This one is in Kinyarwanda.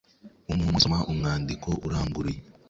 Umwumwe soma umwandiko uranguruye,